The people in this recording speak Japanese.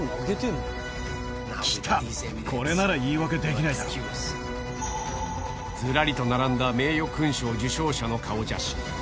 きた、これなら言い訳できなずらりと並んだ名誉勲章受章者の顔写真。